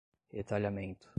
retalhamento